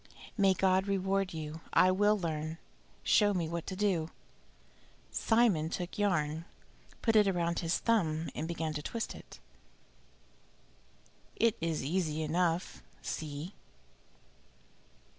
"May God reward you! I will learn. Show me what to do." Simon took yarn, put it round his thumb and began to twist it. "It is easy enough see!"